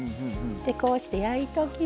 でこうして焼いときます。